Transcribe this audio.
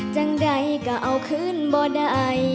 จงใดก็เอาคลื่นบ่ได้